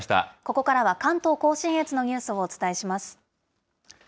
ここからは関東甲信越のニュースをお伝えします。